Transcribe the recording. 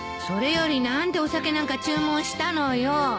それより何でお酒なんか注文したのよ。